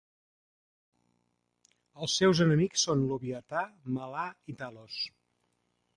Els seus enemics són Loviatar, Malar i Talos.